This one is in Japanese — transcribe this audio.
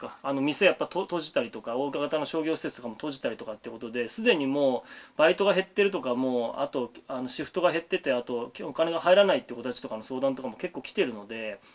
店やっぱ閉じたりとか大型の商業施設とかも閉じたりとかってことで既にもうバイトが減ってるとかあとシフトが減っててあとお金が入らないって子たちとかの相談とかも結構来てるので。